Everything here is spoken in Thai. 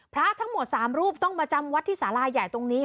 พระทั้งหมด๓รูปต้องมาจำวัดที่สาราใหญ่ตรงนี้